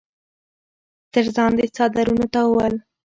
تر ځان د څادرنو تاوول